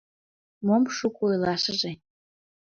— Мом шуко ойлашыже!